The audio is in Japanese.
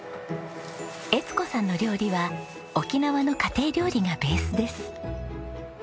江津子さんの料理は沖縄の家庭料理がベースです。